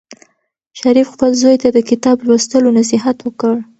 شریف خپل زوی ته د کتاب لوستلو نصیحت وکړ.